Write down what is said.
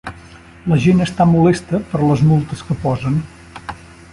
La gent està molesta per les multes que posen.